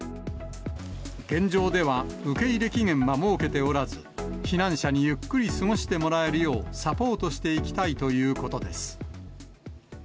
現状では受け入れ期限は設けておらず、避難者にゆっくり過ごしてもらえるよう、サポートしていきたいということです。